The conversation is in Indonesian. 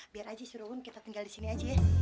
biar aja si ruman kita tinggal di sini aja ya